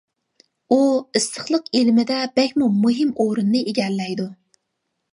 ئۇ ئىسسىقلىق ئىلمىدە بەكمۇ مۇھىم ئورۇننى ئىگىلەيدۇ.